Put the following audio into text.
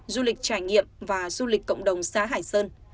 du lịch trải nghiệm và du lịch cộng đồng xã hải sơn